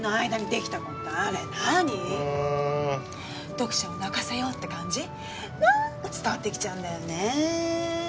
読者を泣かせようって感じなんか伝わってきちゃうんだよね。